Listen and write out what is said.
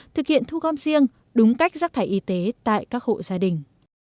thực hiện thu gom riêng đúng cách rác thải y tế tại các hộ gia đình